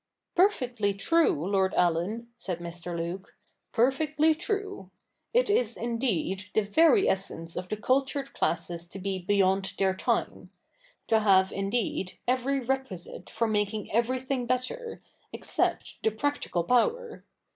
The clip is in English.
' Perfectly true. Lord Allen,' said Mr. Luke, ' perfectly true ! It is indeed the very essence of the cultured classes to be beyond their time — to have, indeed, every requisite for making everything better, except the practical power.